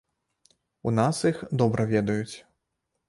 У нас іх добра ведаюць.